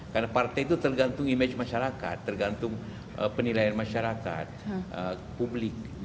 karena partai itu tergantung image masyarakat tergantung penilaian masyarakat publik